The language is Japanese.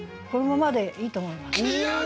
このままでいいと思います。